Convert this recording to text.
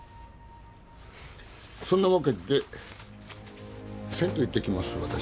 そんなわけで銭湯行ってきます私。